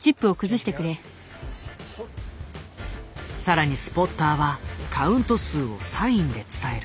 更にスポッターはカウント数をサインで伝える。